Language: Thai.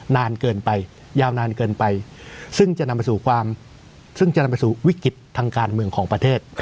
นานเกินไปยาวนานเกินไปซึ่งจะนำไปสู่วิกฤตทางการเมืองของประเทศ